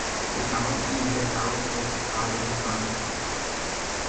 The town is in the southwest part of the county.